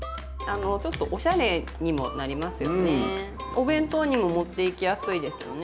お弁当にも持っていきやすいですよね。